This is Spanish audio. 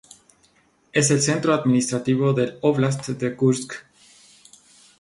Es el centro administrativo del óblast de Kursk.